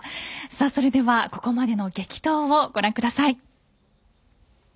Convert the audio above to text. それではここまでの激闘をご覧ください。